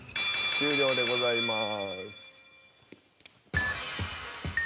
終了でございます。